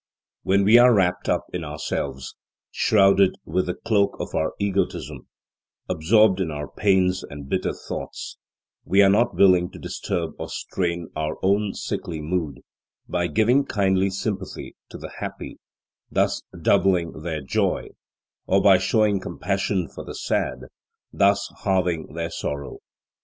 When we are wrapped up in ourselves, shrouded with the cloak of our egotism, absorbed in our pains and bitter thoughts, we are not willing to disturb or strain our own sickly mood by giving kindly sympathy to the happy, thus doubling their joy, or by showing compassion for the sad, thus halving their sorrow.